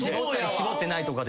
絞ってないとかで？